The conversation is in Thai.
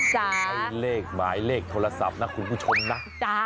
ให้เลขหมายเลขโทรศัพท์นะคุณผู้ชมนะจ๊ะ